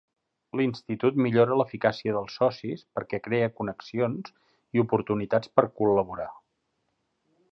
L"institut millora l"eficàcia dels socis, perquè crea connexions i oportunitats per col·laborar.